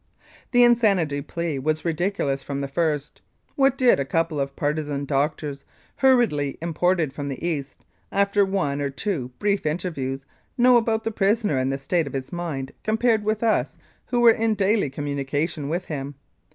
The insanity plea was ridiculous from the first. What did a couple of partizan doctors, hurriedly im ported from the East, after one or two brief interviews, know about the prisoner and the state of his mind com pared with us who were in daily communication with him